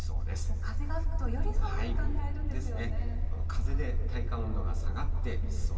風が吹くと、より寒く感じられるんですよね。